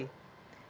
kalau lima itu